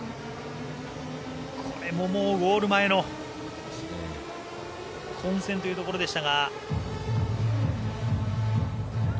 これももうゴール前の混戦というところでしたが。